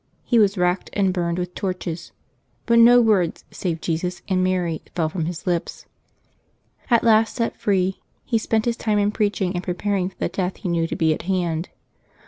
He was racked and burnt with torches ; but no words, save Jesus and Mary, fell from his lips. At last set free, he spent his time in preaching, and preparing for the death he knew to be at hand.